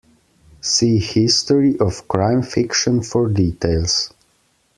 See history of crime fiction for details.